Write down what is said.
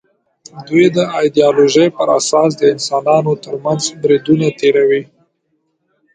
دوی د ایدیالوژۍ پر اساس د انسانانو تر منځ بریدونه تېروي